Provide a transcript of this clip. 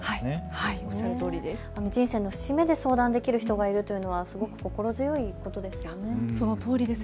人生の節目で相談できる人がいるというのはすごく心強いことですね。